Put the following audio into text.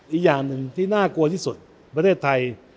อีกอย่างหนึ่งที่น่ากลัวที่สุดประเทศไทย